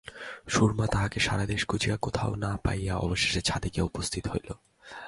সুরমা তাহাকে সারা দেশ খুঁজিয়া কোথাও না পাইয়া অবশেষে ছাদে গিয়া উপস্থিত হইল।